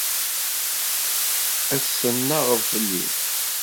Ad tennaɣeḍ fell-i!